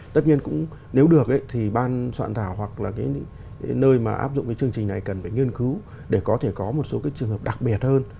tất nhiên cũng nếu được thì ban soạn thảo hoặc là cái nơi mà áp dụng cái chương trình này cần phải nghiên cứu để có thể có một số cái trường hợp đặc biệt hơn